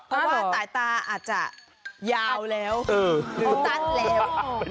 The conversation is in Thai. เพราะว่าสายตาอาจจะยาวแล้วสั้นแล้ว